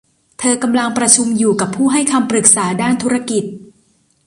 เธอกำลังประชุมอยู่กับผู้ให้คำปรึกษาด้านธุรกิจ